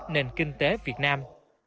nền kinh tế việt nam